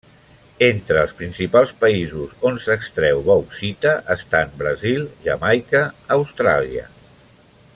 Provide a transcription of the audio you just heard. Entre els principals països on s’extreu bauxita estan Brasil, Jamaica, Austràlia.